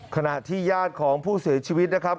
ขณะที่ญาติของผู้เสียชีวิตนะครับ